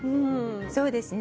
そうですね